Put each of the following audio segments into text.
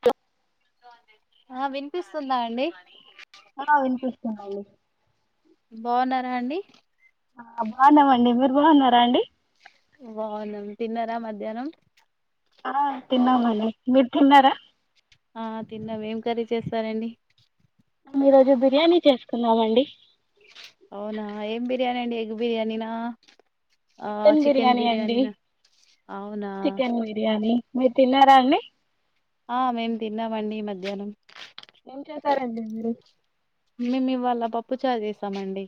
త్ల ఆ వినిపిస్తుందా అండి ఆ వినిపిస్తుందండి బావున్నారా అండి ఆ బావున్నామండి మీరు బావున్నారా అండి బావున్నాం. తిన్నారా మధ్యాహ్నం? ! ఆ తిన్నామండి మీర్ తిన్నారా ఆ తిన్నాం‌. ఏం కర్రీ చేస్తారండి మేము ఈరోజు బిర్యానీ చేసుకున్నామండి. అవునా... ఏం బిర్యానీ అండి ఎగ్ బిర్యానీనా. ఆ చికెన్ బిర్యానీ అండి. బిర్యానీనా అవునా చికెన్ బిర్యానీ. మీర్ తిన్నారా అండి ఆ మేమ్ తిన్నామండి మధ్యాహ్నం ఏం చేశారండి మీరు మేమ్ ఇవాళ పప్పు చారు చేసామండి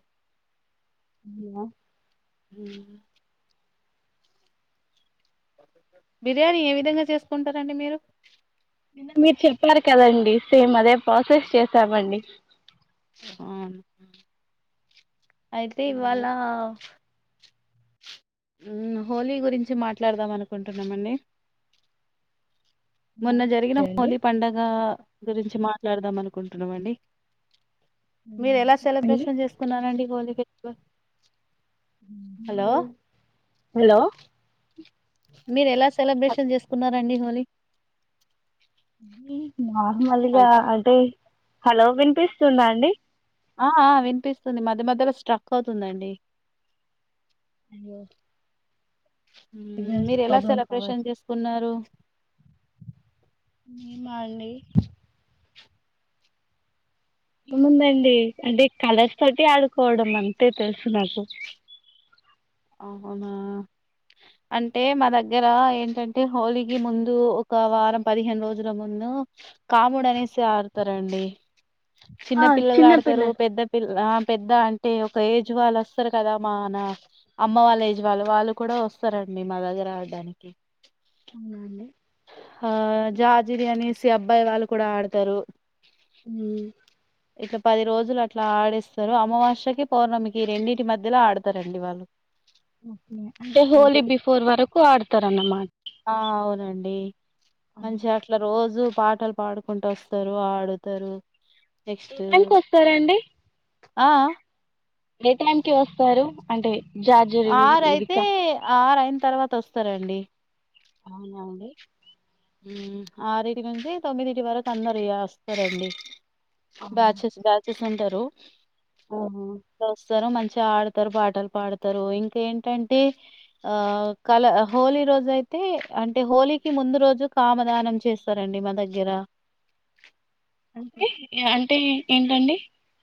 అవునా హ్మ్ బిర్యానీ ఏ విధంగా చేసుకుంటారండి మీరు? మీర్ చెప్పార్కదండి సేమ్ అదే ప్రాసెస్ చేసామండి అవును అయితే ఆ, ఇవాళా హ్మ్ హోలీ గురించి మాట్లాడదాం అనుకుంటున్నామండి ఆ, మొన్న జరిగిన సరే అండి హోలీ పండగ గురించి మాట్లాడదాం అనుకుంటున్నామండి ఉమ్, మీరెలా చెప్పండి సెలబ్రేషన్ చేసుకున్నరండి వాలి ఫెస్టివల్ హలో హాలో మీరెలా స్ సెలబ్రేషన్ చేసుకున్నారు రండి హోలి నార్మల్గా అంటే హలో వినిపిస్తుందా అండి ఆ ఆ వినిపిస్తుంది మధ్య మధ్యలో స్టక్ అవుతుందండి అయ్యో ఉమ్ సిగ్నల్స్ మీరు ఎలా ప్రాబ్లం కావచ్చు సెలబ్రేషన్ చేసుకున్నారు మేమా అండి ముందండీ అంటే కలర్స్ తోటి ఆడుకోవడం అంతే తెలుసు నాకు అహ అవునా అంటే మా దగ్గరా ఏంటంటే హోలీకి ముందు ఒక వారం పదిహేను రోజుల ముందు కాముడు అనేసి ఆడుతారండి చిన్న ఆ పిల్లలు ఆడుతారు చిన్నపిల్లలు పెద్ద పిల్ల ఆ పెద్ద అంటే ఒక ఏజ్ వాళ్ళు వస్తరు కదా మా నా అమ్మ వాళ్ళ ఏజ్ వాళ్ళు వాళ్ళు కూడా వస్తారండి మా దగ్గర ఆడడానికి అవునా అండి ఆ జాజిరి అనేసి అబ్బాయి వాళ్ళు కూడా ఆడతారు ఉమ్ ఇట్ల పది రోజులు అట్లా ఆడేస్తారు అమావాస్య కి పౌర్ణమికి రెండిటి మధ్యలో ఆడతారండి వాళ్ళు అంటే అంతే హోలీ బిఫోర్ వరకు ఆడతారన్నమాట ఆ అవునండీ అవును. మంచిగ అట్లా రోజూ పాటలు పాడుకుంట వస్తారు ఆడుతారు ఏ నెక్స్ట్ టైమ్ కు వస్తారండి ఆ ఆ ఏ టైంకిి వస్తారు అంటే జార్జరి ఆరు ఇది అయితే కా ఆరు అయిన తర్వాత వస్తారండి అవునా అండి ఊ ఆరింటి నుంచి తొమ్మిదింటి వరకు అందరూ ఇగ వస్తారండి ఆ, బ్యాచస్ బ్యాచస్ ఉంటారు ఆహా. రు దసరా మంచ్ చ ఆడతారు పాటలు పాడతారు ఇంక ఏంటంటే ఆ కలర్ హోలీ రోజు అయితే అంటే హోలీకి ముందు రోజు కామదానం చేస్తారండి మా దగ్గర అంటే ఇగ అంటే ఏ ఏంటండి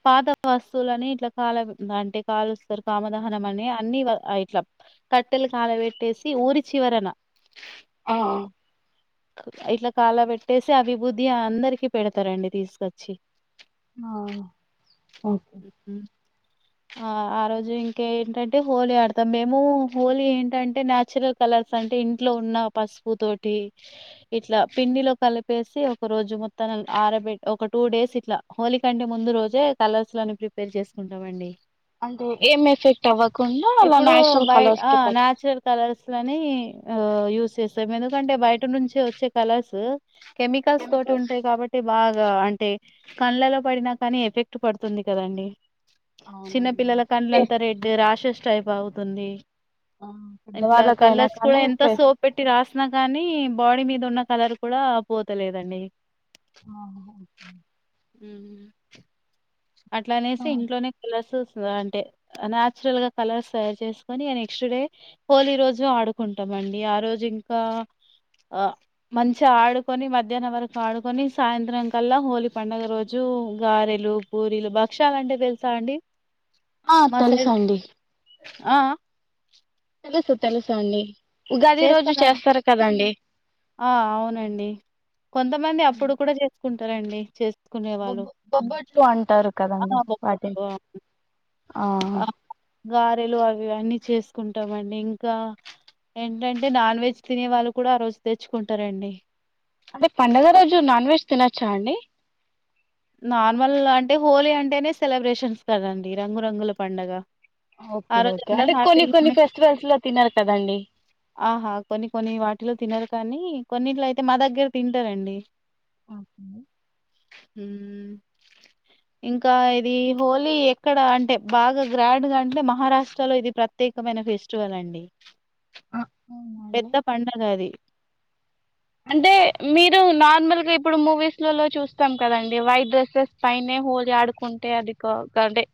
పాత వస్తువులని ఇట్ల కాల అంటే కాలుస్తరు కామదహనం అని, అన్ని ఇట్లా కట్టెలు కాల పెట్టేసి ఊరి చివరన ఆ ఇట్ల కాల పెట్టేసి ఆ విభూది అందరికి పెడతారండి తీసుకొచ్చి ఆ ఓకే ఉమ్. ఆ ఆ రోజు ఇంక ఏంటంటే హోలీ ఆడతాం మేము హోలీ ఏంటంటే నాచురల్ కలర్స్ అంటే ఇంట్లో ఉన్న పసుపు తోటి ఇట్లా పిండిలో కలిపేసి ఒక రోజు మొత్తం ఆరబెట్, ఒక టూ డేస్ ఇట్ల హోలి కంటే ముందు రోజే కలర్స్లని ప్రిపేర్ చేసుకుంటాం అండి. అంటే ఏం ఎఫెక్ట్ అవ్వకుండా అలా ఇప్పుడూ న్యాచురల్ బయ కలర్స్ ఆ న్యాచురల్ కలర్స్ లనీ ఆ యూజ్ చేస్తాం ఎందుకంటే బయట్ ఇటు నుంచి వచ్చే కలార్సు కెమికల్స్ తోటి ఉంటాయి కాబట్టి బాగా అం అంటే కండ్లలో పడినా కానీ ఎఫెక్ట్ పడుతుంది కదండి అవునండి చిన్నపిల్లల కండ్ల అంత రెడ్ రాషెష్ చై పావుతుంది ఆ ఇట్లా పెద్దవాళ్ళకైనా కలర్స్ కూడా కానీ ఎంత సో ప్లస్ పెట్టి రాసిన కానీ మీద ఉన్న కలర్ కూడా పోతలేదండి ఆ ఉ అట్లా అనేసి ఇంట్లోనే కలర్స్ అంటే నాయాచురల్ గా కలర్స్ తయారు చేసుకొని, అ నెక్స్ట్ డే హోలీ రోజు ఆడుకుంటామండి, ఆ రోజు ఇంకా మంచిగా అ ఆడుకొని మధ్యాహ్నం వరకు ఆడుకొని, సాయంత్రం కల్లా హోలీ పండుగ రోజు గారెలు పూరీలు భక్షాల అంటే పెలుతా అండి ఆ మా సైడ్ తెలుసండి ఆ తెలుసు తెలుసు అండి ఉగాది రోజు చేస్తానండి చేస్తారు కదండి ఆ అవునండి కొంతమంది అప్పుడు కూడా చేస్ కుంటారండి చే బొబ్బ బొబ్బట్లు అంటారు ఆ కదండి వాటిని బొబ్బట్లు, ఆ గారెలు అవి అన్నీ చేసుకుంటామ అండి, ఇంకా ఏంటంటే నాన్ వెజ్ తినే వాళ్ళు కూడా ఆ రోజు తెచ్చుకుంటారండి అదే పండుగ రోజు నాన్ వెజ్ తినచ్చా అండి నార్మల్ అంటే హోలీ అంటేనే సెలబ్రేషన్స్ కదండి రంగురంగుల పండగ ఆ ఓకే రోజు ఓకే అందరూ అంటే కొన్ని కొన్ని హ్యాపీగున్న ఫెస్టివల్స్ లో తినరూ కదండి ఆహా! కొన్ని కొన్ని వాటిలో తినరు కానీ కొన్నిట్ల అయితే మా దగ్గర తింటారండి ఓకే ఉ ఇంకా ఇది హోలీ ఎక్కడ అంటే బాగా గ్రాండ్గా అంటే మహారాష్ట్రలో ఇది ప్రత్యేకమైన ఫెస్టివల్ అండి. ఆ పెద్ద పండగ అది నార్మల్ గా ఇప్పుడు మూవీస్ ల చూస్తాం కదండి వైట్ డ్రెస్సెస్ పైనే హలీ ఆడుకుంటే అది కాే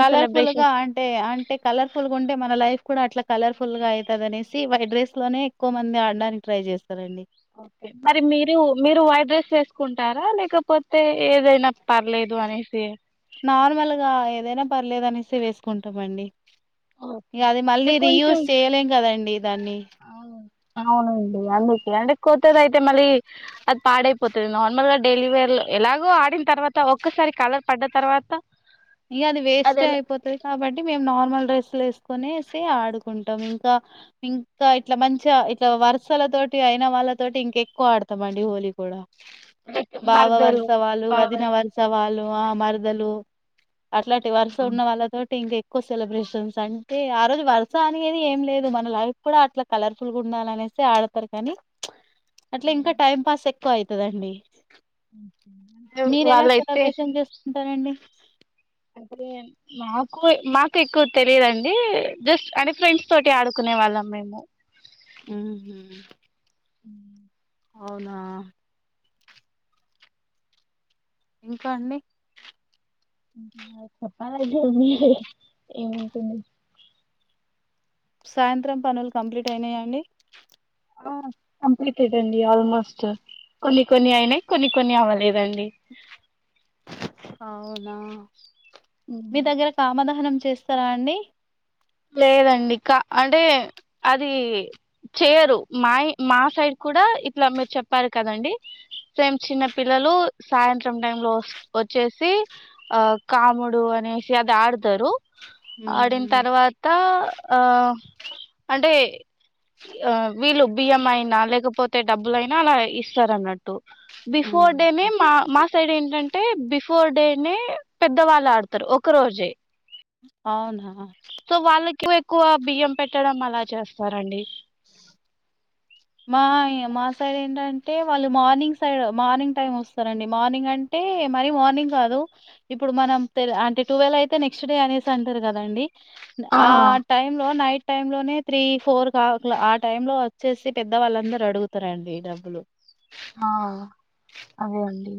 కలర్ఫుల్ గా అంటే అంటే కలర్ఫుల్ గా ఉంటే మన లైఫ్ కూడా అట్లా కలర్ఫుల్ గా అవుతుంది అనేసి వైట్ ర్రైస్ లోనే ఎక్కువ మంది ఆడడానికి ట్రై చేస్తంది ఓకే మరి మీరు మీరు వైట్ రైస్ వేసుకుంటారా లేకపోతే ఏదైనా పలేదో అనిసి నార్మల్గా ఏదైనా పర్లేదు అనేసి వేసుకుంటామండి ఓకే ఇక అది అంటే మళ్ళీ కొంచెం రీయూస్్ చేయలేం కదండి దాన్ని అవును. అవునండి అందుకే అంటే కొత్తది అయితే మళ్ళీ అది పాడైపోతుంది నార్మల్గా డైలీవేర్ లో ఎలాగో ఆడిన తర్వాత ఒక్కసారి కలర్ పడ్డ తర్వాత ఇంక అది వేస్టే అయిపోతది కాబట్టి మేము నార్మల్ డ్రెస్లు వేస్తాం కునేసి ఆడుకుంటాం ఇంకా ఇంకా ఇట్లా మంచి ఇట్లా వర్సలతోటి అయిన వాళ్ళతోటి ఇంకా ఎక్కువ ఆడతాం అండి హోలీ కూడా భావ మరదలు వర్సవాలు వదిన బావలు వర్సవాలు ఆ మారుదలు అట్లాంటి వరుస హ్మ్. ఉన్న వాళ్ళతోటి ఇంకె ఎక్కువ సెలబ్రేషన్స్ అంటే ఆ రోజు వరుస అనేది ఏం లేదు మన లైఫ్ కూడా అట్లా కలర్ఫుల్ గా ఉండాల అనేసి ఆడతారు కానీ అట్ ఇంకా టైమ్ పాస్ ఎ ఎక్కువ అవుతుందండి అంటే వాళ్ళయితే సెలబ్రేషన్ చేసుకుంటారండి అంటే మాకు మాకు ఎక్కువ తెలియదుండి జస్ట్ అంటే ఫ్రెండ్స్ తోటి ఆడుకునే వాళ్ళం మేము ఆ అ అవునా ఇంకా అండి చప్పాల జమ ఏమంటంది సాయంత్రం పనులు కంప్లీట్ అయినాయా అండి కంప్లీట్ అదండి ఆల్మోస్ట్ కొన్ని కొన్ని అయినాయి కొన్ని కొన్ని అవ్వలేదండి అ నా ఉమ్. మీ దగ్గర కామదహనం చేస్తారా అండి లేదండి కా అంటే అది చేయరు మా మా సైడ్ కూడా ఇట్లా మీరు చెప్పారు కదండి సేమ్ చిన్న పిల్లలు సాయంత్రం టై లో వచ్చేసి ఆ కాముడు అనేసి అది ఆడతారు ఆడిన ఉహు తర్వాత ఇ ఆ అంటే ఆ వీళ్ళు బియ్యం అయినా లేకపోతే డబ్బులయినా అలా ఇస్తారు అన్నట్టు బిఫోర్ డేమి ఉహు మా సైడ్ ఏంటంటే బిఫోర్ డే పెద్దవాళ్ళు ఆడతారు ఒక రోజే అవునా సో వాళ్ళ ఎక్కువ ఎక్కువ బియ్యం పెట్టడం అలా చేస్తారండి మా మా సైడ్ ఏంటంటే వాళ్ళు మార్నింగ్ సైడ్ మార్నింగ్ టైమ్ వస్తారండి, మార్నింగ్ అంటే మర మార్నింగ్ కాదు ఇప్పుడు మనం అంటే టువెల్వ అయితే నెక్స్ట్ డే అనేసి అంటారు కదండి. ఆ టైమ్ లో నైట్ టైములోనే త్రీ ఫోర్ కా ఆ టైం లో వచ్చేసి పెద్దవాళ్ళందరు అడుగుతారండి డబ్బులు ఆ అదే అండి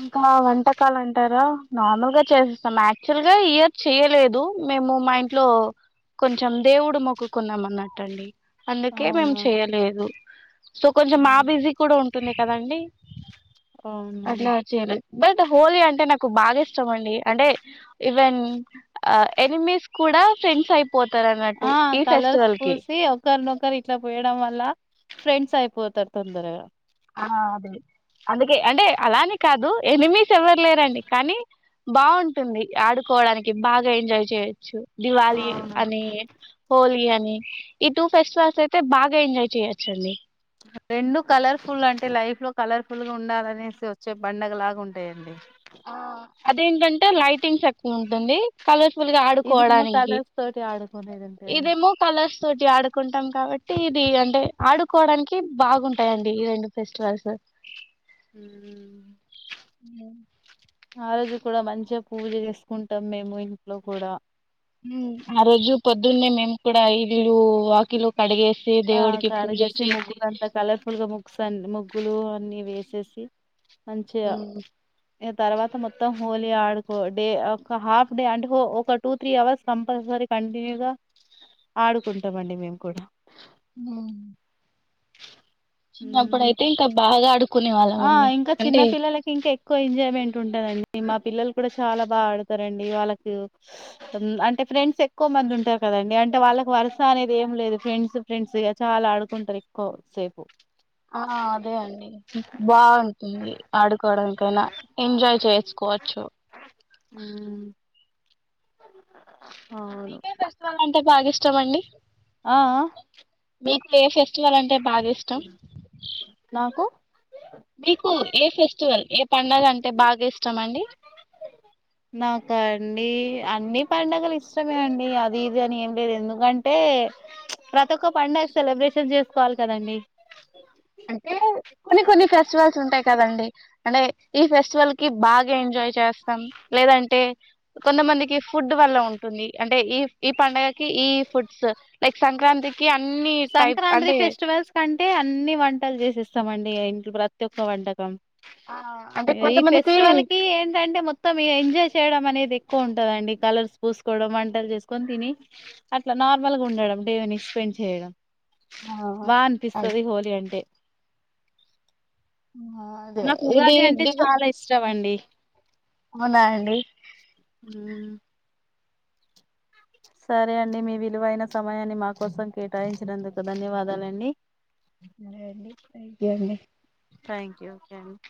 ఇంకా వంటకాలు అంటారా నార్మల్ గా చేసేస్తాం, యాక్చువల్ గా ఇయర్ చేయలేదు మేము మా ఇంట్లో కొంచెం దేవుడు మొక్కుకున్నాం అన్నట్టుండి అందుకే మేము అవునా చెయలేదు సో కొంచెం మా బిజీ కూడా ఉం టునే కదండి అవును అట్లా చేయలేదు బట్ హోలీ అంటే నాకు బాగా ఇష్టం అండి అంటే ఈవెన్ ఎనిమీస్ కూడా ఫ్రెండ్స్ అయి ఆ కలర్స్ పూసి ఒకరినొకరు ఇట్లా పోయడం వల్ల ఫ్రెండ్స్ అయిపోతారు తొందరగా ఆ అదే అందుకే అంటే అలానే కాదు ఎనిమీస్ ఎవ్వరులేరండి, కానీ బాగుంటుంది ఆడుకోవడానికి బాగా ఎంజాయ్ చేయొచ్చు దివాళి అవును అని హోలీ అ ఈ టూ ఫెస్టివల్స్ అయితే బాగా ఎంజాయ్ చేయొచ్చండి రెండు కలర్ఫుల్ అంటే లైఫ్ లో కలర్ఫుల్ గా ఉండాలనేసి వచ్చే బండగ లాగా ఉంటాయండి పటిన్స్ ఎక్కువ ఉంటుంది కలర్ఫుల్ గా ఇదిన్న ఆడుకోవడానికి కలర్స్ తోటి ఆడుకోదంత ఇదేమో కలర్స్ తోటి ఆడుకుంటాం కాబట్టి ఇది అంటే ఆడుకోవడానికి బాగుంటాయండి ఈ రెండు ఫెస్టివల్స్ మ్ ఆ రోజు కూడా మంచిగా పూజ చేసుకుంటాం మేము ఇంట్లో కూడా ఆ రోజు పొద్దున్నే మేము కూడా ఇల్లు వాకిలు కడిగే ఆ కడుగేసి ముగ్గులు అంతా కలర్ఫుల్గా ముగసా ముగ్గులు అన్నీ వేసేసి మంచిగా తర్వాత మొత్తం హోలీ ఆడుకో, డే ఒక హాఫ్ డే అంటే ఒక టూ త్రీ అవర్స్ కంపల్సరీ కంటిన్యూగా ఆడుకుంటాండి మేము కూడా ఆ చిన్నప్పుడుయితే ఇంకా బాగా అడుక్ ఆ ఇంకా చిన్న పిల్లలకి ఇంకా ఎక్కువ ఎంజాయ్మెంట్ ఉంటదండి మా పిల్లలు కూడా చాలా బాగా ఆడుతారండి, వాళ్ళకి అంటే ఫ్రెండ్స్ ఎక్కువ మంది ఉంటారు కదండి, అంటే వాళ్ళకి వరుస అనేది ఏం లేదు ఫ్రెండ్స్ ఫ్రెండ్స్ చాలా ఆడుకుంటారు ఎక్కువ సేపు ఆ అదే అండి బాగుంటుంది ఆడుకోవడానికి [unintelligible] ఎంజాయ్ చేసుకోవచ్చు ఉమ్ అవును మీకే ఫెస్టివల్ అన్ టె బాగా ఇష్టం అండి ఆ మీక్ ఏ ఫెస్టివల్ అంటే బాగా ఇష్టం నాకు మీకు ఏ ఫెస్టివల్ ఏ పండగ అంటే బాగా ఇష్టమండి. నాకా అండి అన్ని పండగలు ఇష్టమే అండి అది ఇది అని ఏం లేదు ఎందుకంటే ప్రతి ఒక్క పండగ సెలబ్రేషన్ చేసుకోవాలి కదండి. అంటే కొన్ని కొన్ని ఫెస్టివల్స్ ఉంటాయి కదండి. అంటే ఈ ఫెస్టివల్ కి బాగా ఎంజాయ్ చేస్తాం లేదంటే. కొంతమందికి ఫుడ్ వల్ల ఉన్ టుంది అంటే ఈ ఈ పండగకి ఈ ఫుడ్స్. లైక్ సంక్రాంతికి అన్నీ టైప్ అంటే టలు చేసేస్తాంమండి ఇంట్లో ప్రతి ఒక్క వంట. తమ్ ఆ అంటే ఇగ ఈ కొంతమందికి ఫెస్టివల్ కి ఏంటంటే మొత్తం ఇగా ఎంజాయ్. చేయడం అనేది ఎక్కువ ఉంటదండి కలర్స్ పూసుకోవడం వంటలు చేసుకొని తిని అట్లా నార్మల్గా ఉండడం. ఏవైనా ఎక్స్ప్లెయిన్ చేయరా. ఆ బా అ అనిపిస్తది హోలీ అంటే. ఆ అదే నాకు ఇది ఉగాది అంటే దివ చాలా ఇష్టమండి. అవునా అండి. మ్మ్ సరే అండి మీ విలువైన సమయాన్ని మా కోసం కేటాయించినందుకు ధన్యవాదాలండి. సరే అండి థ్యాంక్ అండి. థ్యాంక్ యూ ఓకే అండి.